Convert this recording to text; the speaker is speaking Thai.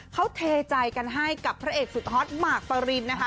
เขาเทใจกันให้กับพระเอกสุดฮอตหมากปรินนะคะ